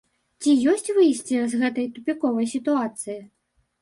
Ці ёсць выйсце з гэтай тупіковай сітуацыі?